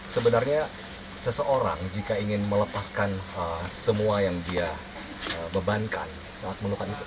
sebenarnya seseorang jika ingin melepaskan semua yang dia bebankan saat meluka itu